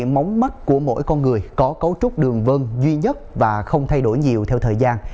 móng mắt của mỗi con người có cấu trúc đường vơn duy nhất và không thay đổi nhiều theo thời gian